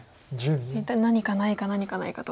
何かないか何かないかと。